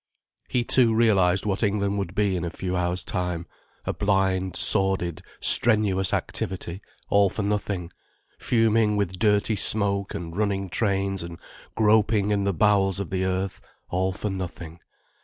He too realized what England would be in a few hours' time—a blind, sordid, strenuous activity, all for nothing, fuming with dirty smoke and running trains and groping in the bowels of the earth, all for nothing.